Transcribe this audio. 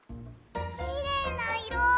きれいないろ。